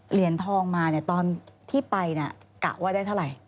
เหรียญทองมาตอนที่ไปกะว่าได้เท่าไหร่